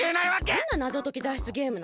どんななぞとき脱出ゲームなの？